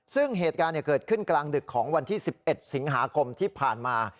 ซึ่งเหตุการณ์เกิดขึ้นกลางดึกของวันที่๑๑สิงหาคมที่ผ่านมา